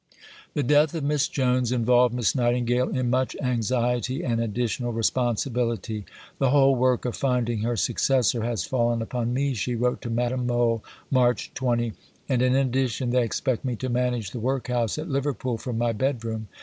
The death of Miss Jones involved Miss Nightingale in much anxiety and additional responsibility. "The whole work of finding her successor has fallen upon me," she wrote to Madame Mohl (March 20); "and in addition they expect me to manage the Workhouse at Liverpool from my bedroom."